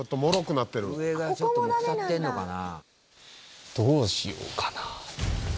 「上がちょっともう腐ってるのかな」